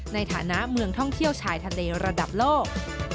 ในฐานะเมืองท่องเที่ยวชายทะเลระดับโลก